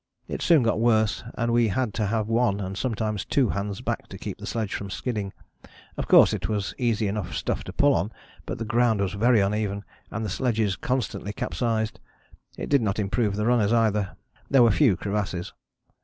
It soon got worse and we had to have one and sometimes two hands back to keep the sledge from skidding. Of course it was easy enough stuff to pull on, but the ground was very uneven, and sledges constantly capsized. It did not improve the runners either. There were few crevasses.